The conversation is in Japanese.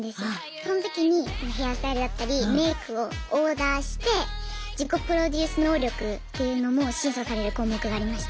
その時にヘアスタイルだったりメイクをオーダーして自己プロデュース能力っていうのも審査される項目がありました。